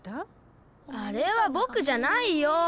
あれはぼくじゃないよ！